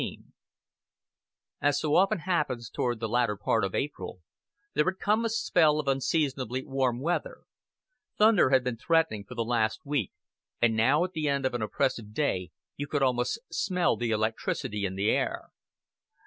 XIX As so often happens toward the latter part of April, there had come a spell of unseasonably warm weather; thunder had been threatening for the last week, and now at the end of an oppressive day you could almost smell the electricity in the air.